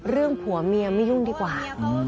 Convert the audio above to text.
เรื่องผัวเมียไม่ยุ่งดีกว่า